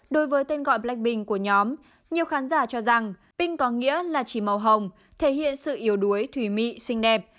đối với tên gọi blackpink của nhóm nhiều khán giả cho rằng binh có nghĩa là chỉ màu hồng thể hiện sự yếu đuối thủy mị xinh đẹp